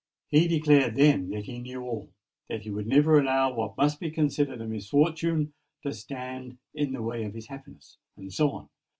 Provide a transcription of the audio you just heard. He declared then that he knew all—that he would never allow what must be considered a misfortune to stand in the way of his happiness—and so on.